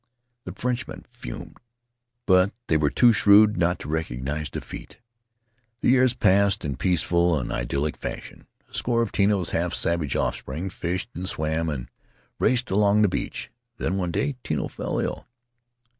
The Frenchmen fumed, but they were too shrewd not to recognize defeat. The years passed in peaceful and idyllic fashion; a score of Tino's half savage offspring fished and swam and raced along the beach. Then one day Tino fell ill.